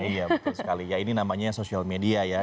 iya betul sekali ya ini namanya social media ya